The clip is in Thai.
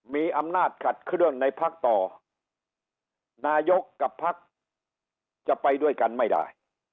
มีอำนาจขัดเครื่องในพักต่อนายกกับพักจะไปด้วยกันไม่ได้